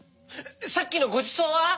さっきのごちそうは？